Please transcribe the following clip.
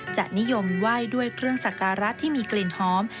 จะนิยมไหว้ด้วยเครื่องสักการะที่มีกลิ่นหอม